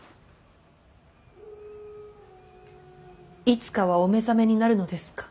いつかはお目覚めになるのですか。